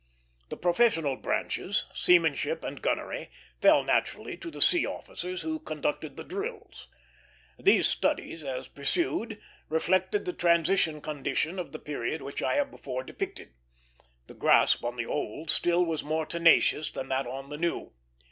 The professional branches, seamanship and gunnery, fell naturally to the sea officers who conducted the drills. These studies, as pursued, reflected the transition condition of the period which I have before depicted; the grasp on the old still was more tenacious than that on the new.